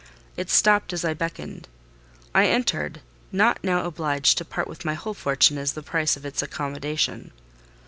It stopped as I beckoned. I entered—not now obliged to part with my whole fortune as the price of its accommodation.